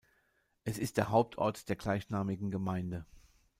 Es ist der Hauptort der gleichnamigen Gemeinde.